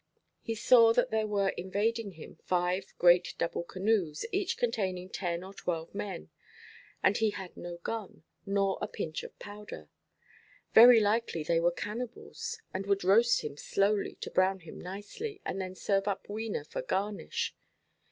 He saw that there were invading him five great double canoes, each containing ten or twelve men; and he had no gun, nor a pinch of powder. Very likely they were cannibals, and would roast him slowly, to brown him nicely, and then serve up Wena for garnish.